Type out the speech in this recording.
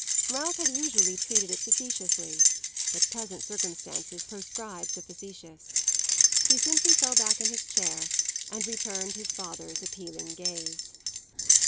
Ralph had usually treated it facetiously; but present circumstances proscribed the facetious. He simply fell back in his chair and returned his father's appealing gaze.